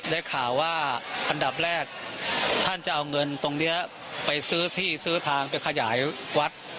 ได้ข่าวว่าอันดับแรกท่านจะเอาเงินตรงนี้ไปซื้อที่ซื้อทางไปขยายวัด